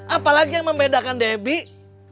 apalagi yang membedakan debbie